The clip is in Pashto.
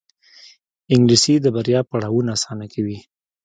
انګلیسي د بریا پړاوونه اسانه کوي